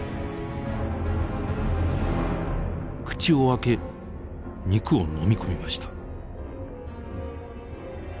口を開け肉を飲み込みました。